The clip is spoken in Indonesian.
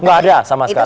oh gak ada sama sekali